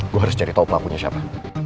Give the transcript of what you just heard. gue harus cari tahu pelakunya siapa